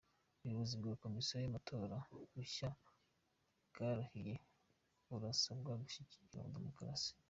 Ubuyobozi bwa Komisiyo y’amatora bushya bwarahiye burasabwa gushyigikira demukarasi